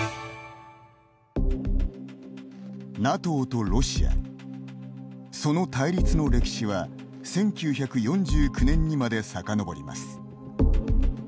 ＮＡＴＯとロシアその対立の歴史は１９４９年にまでさかのぼります。